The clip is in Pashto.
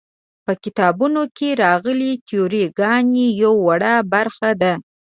په کتابونو کې راغلې تیوري ګانې یوه وړه برخه ده.